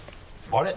あれ？